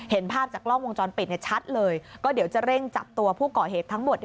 เห็นภาพจากกล้องวงจรปิดชัดเลยก็เดี๋ยวจะเร่งจับตัวผู้ก่อเหตุทั้งหมด